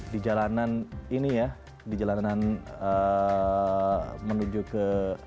di jalanan ini ya di jalanan menuju ke